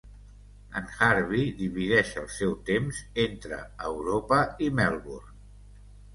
En Harvey divideix el seu temps entre Europa i Melbourne.